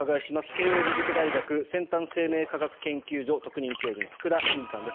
慶應義塾大学先端生命科学研究所特任教授の福田真嗣さんです。